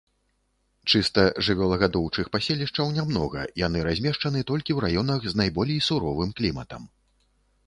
Чыста жывёлагадоўчых паселішчаў нямнога, яны размешчаны толькі ў раёнах з найболей суровым кліматам.